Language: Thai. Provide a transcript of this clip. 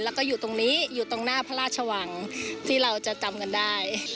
แล้วก็อยู่ตรงนี้อยู่ตรงหน้าพระราชวังที่เราจะจำกันได้